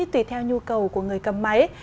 tùy theo nhu cầu của người cầm máy